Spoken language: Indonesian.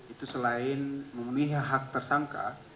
itu selain memenuhi hak tersangka